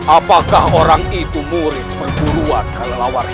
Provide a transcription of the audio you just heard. apakah orang itu murid perturuan kelelawar itu